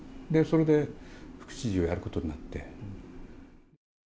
それで副知事をやることになって。